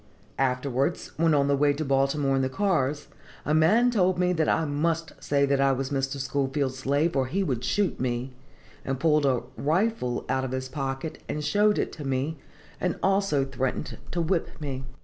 Afterwards, when on the way to Baltimore in the cars, a man told me that I must say that I was Mr. Schoolfield's slave, or he would shoot me, and pulled a 'rifle' out of his pocket and showed it to me, and also threatened to whip me.